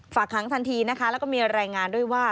หางทันทีนะคะแล้วก็มีรายงานด้วยว่า